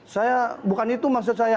saya bukan itu maksud saya